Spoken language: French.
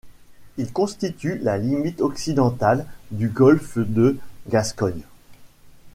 Il constitue la limite occidentale du golfe de Gascogne.